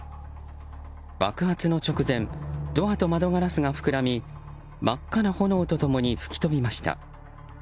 爆発の直前ドアと窓ガラスが膨らみ真っ赤な炎と共に吹き飛びました。